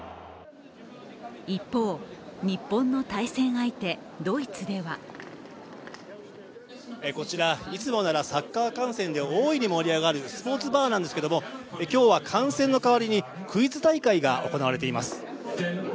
一方、日本の対戦相手ドイツではこちら、いつもならサッカー観戦で大いに盛り上がるスポーツバーなんですけれども、今日は、観戦の代わりにクイズ大会が行われています。